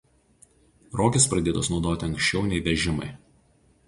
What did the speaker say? Rogės pradėtos naudoti anksčiau nei vežimai.